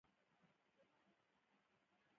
قومونه د افغانانو د ژوند طرز اغېزمنوي.